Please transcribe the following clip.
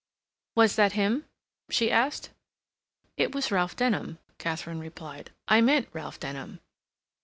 "Was that him?" she asked. "It was Ralph Denham," Katharine replied. "I meant Ralph Denham."